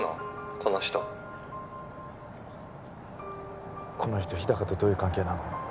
この人この人日高とどういう関係なの？